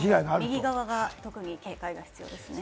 右側が特に警戒が必要です。